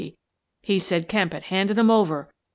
" He said Kemp had handed 'em over.